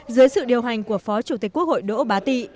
dưới sự điều hành của phó chủ tịch quốc hội đỗ bá tị